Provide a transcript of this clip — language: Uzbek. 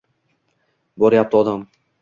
боряпти одам!